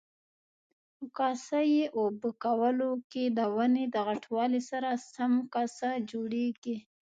په کاسه یي اوبه کولو کې د ونې د غټوالي سره سم کاسه جوړیږي.